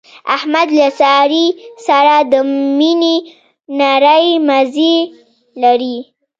احمد له سارې سره د مینې نری مزی لري.